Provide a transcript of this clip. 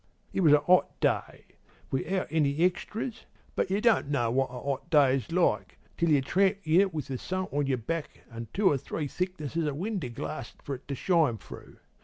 It was a 'ot day, without any extrys, but you don't know what a 'ot day's like till ye've tramped in it with the sun on yer back an' two or three thicknesses o' winder glass for it to shine through.